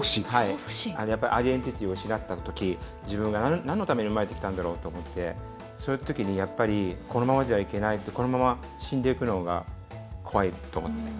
アイデンティティーを失ったとき自分がなんのために生まれてきたんだろうって思ってそういうときに、やっぱりこのままじゃいけないってこのまま、死んでいくのが怖いと思って。